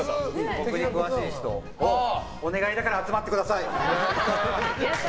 俺に詳しい人お願いだから集まってください。